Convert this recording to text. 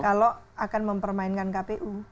kalau akan mempermainkan kpu